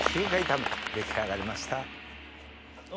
出来上がりました。